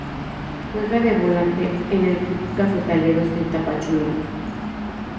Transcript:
Juega de volante en el club Cafetaleros de Tapachula.